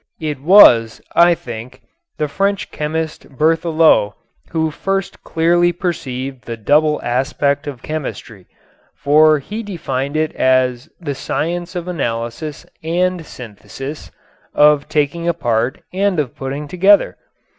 It was, I think, the French chemist Berthelot who first clearly perceived the double aspect of chemistry, for he defined it as "the science of analysis and synthesis," of taking apart and of putting together.